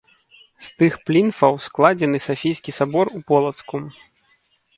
З тых плінфаў складзены Сафійскі сабор ў Полацку.